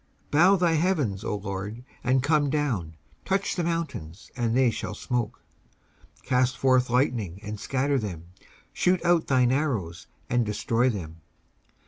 19:144:005 Bow thy heavens, O LORD, and come down: touch the mountains, and they shall smoke. 19:144:006 Cast forth lightning, and scatter them: shoot out thine arrows, and destroy them.